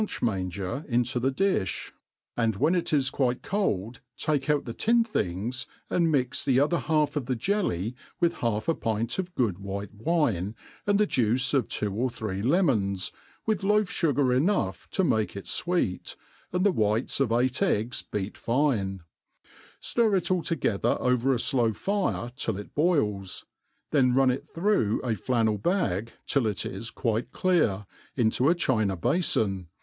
manger 300 THE ART OF COOKERY manger into the iUh^ and when it is quite cold take out the tin things, and mix the other half of the jelly with half a pint of good white wine, and the juice of two or three lemons, with loaf fugar enough to make it fweet, and the whites of eight ^gs beat fine ^ 'ftir it all together over a flow fire till it boils, then run it through a flannel bag till it is quite clear, into a china bafony.